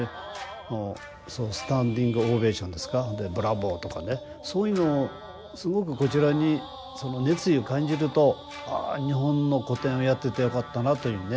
もうスタンディングオーベーションですかで「ブラボー！」とかねそういうのをすごくこちらにその熱意を感じると「ああ日本の古典をやっててよかったな」というふうにね。